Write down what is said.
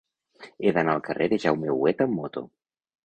He d'anar al carrer de Jaume Huguet amb moto.